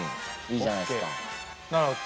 いいじゃないですか。